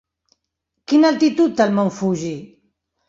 Quina altitud té el mont Fuji?